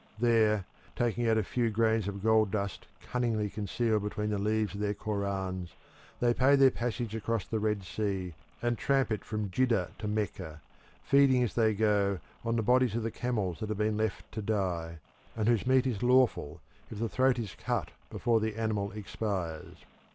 There, taking out a few grains of gold dust cunningly concealed between the leaves of their Korans, they pay their passage across the Red Sea and tramp it from Jidda to Mecca, feeding as they go on the bodies of the camels that have been left to die, and whose meat is lawful if the throat is cut before the animal expires.